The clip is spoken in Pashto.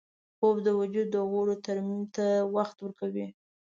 خوب د وجود د غړو ترمیم ته وخت ورکوي